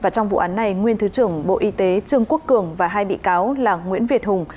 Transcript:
trong vụ án này nguyên thứ trưởng bộ y tế trương quốc cường và hai bị cáo là nguyễn việt hùng